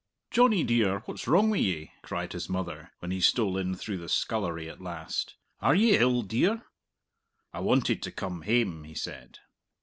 "Johnny dear, what's wrong wi' ye?" cried his mother, when he stole in through the scullery at last. "Are ye ill, dear?" "I wanted to come hame," he said.